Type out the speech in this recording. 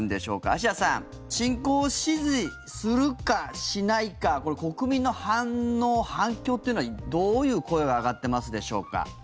あしやさん侵攻支持するかしないか国民の反応、反響っていうのはどういう声が上がってますでしょうか。